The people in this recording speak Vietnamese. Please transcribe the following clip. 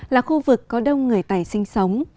là khu vực có đông người tài sinh sống